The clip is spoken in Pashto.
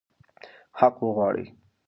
حق وغواړئ.